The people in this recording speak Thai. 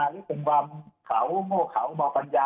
หรือเป็นความเขาโม่เขามาปัญญา